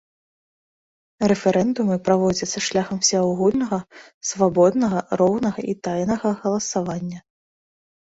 Рэферэндумы праводзяцца шляхам усеагульнага, свабоднага, роўнага і тайнага галасавання.